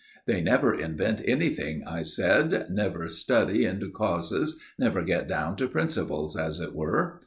'They never invent anything,' I said; 'never study into causes, never get down to principles, as it were.